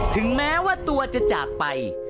ถึงแม้ว่าตัวจะจากไป